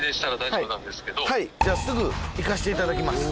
すぐ行かせていただきます。